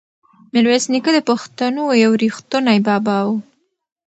میرویس نیکه د پښتنو یو ریښتونی بابا و.